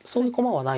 はい。